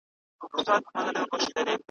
لکه غل چي یې په سترګو وي لیدلی ,